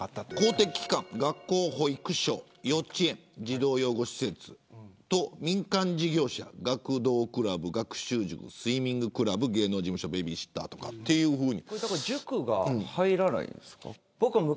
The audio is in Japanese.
公的機関、学校、保育所幼稚園、児童養護施設と民間事業者、学童クラブ、学習塾、スイミングクラブ芸能事務所、ベビーシッターとかというふうに。